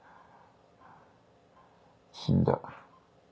死んだ。